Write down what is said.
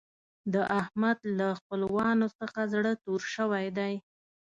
د احمد له خپلوانو څخه زړه تور شوی دی.